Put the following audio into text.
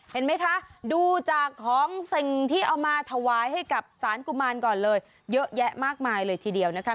เห็นไหมคะดูจากของสิ่งที่เอามาถวายให้กับสารกุมารก่อนเลยเยอะแยะมากมายเลยทีเดียวนะคะ